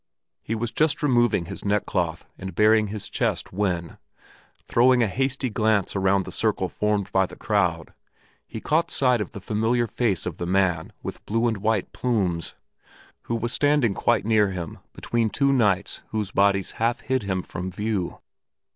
He was just removing his neck cloth and baring his chest when, throwing a hasty glance around the circle formed by the crowd, he caught sight of the familiar face of the man with blue and white plumes, who was standing quite near him between two knights whose bodies half hid him from view.